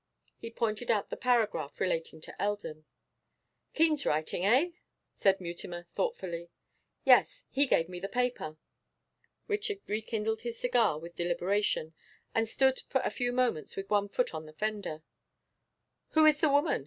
He pointed out the paragraph relating to Eldon. 'Keene's writing, eh?' said Mutimer thoughtfully. 'Yes, he gave me the paper.' Richard rekindled his cigar with deliberation, and stood for a few moments with one foot on the fender. 'Who is the woman?